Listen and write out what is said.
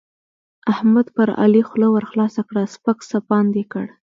احمد پر علي خوله ورخلاصه کړه؛ سپک سپاند يې کړ.